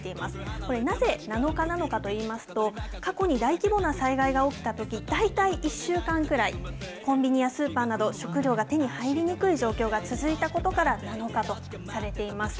これ、なぜ７日なのかといいますと、過去に大規模な災害が起きたとき、大体１週間ぐらい、コンビニやスーパーなど、食料が手に入りにくい状況が続いたことから、７日とされています。